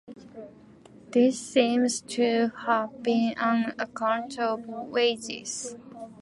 This seems to have been an account of wages.